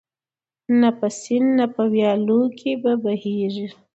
نه په سیند نه په ویالو کي به بهیږي